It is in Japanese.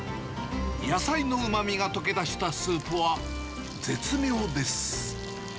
野菜のうまみが溶けだしたスープは、絶妙です。